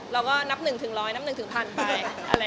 เราก็นับหนึ่งถึงร้อยนับหนึ่งถึงพันไป